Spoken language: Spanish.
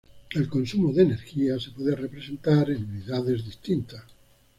El consumo de energía se puede representar en unidades distintas.